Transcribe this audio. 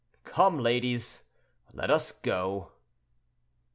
Come, ladies, let us go."